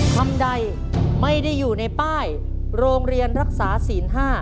คำใดไม่ได้อยู่ในป้ายโรงเรียนรักษาศีล๕